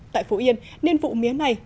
tại phủ yên niên vụ mía này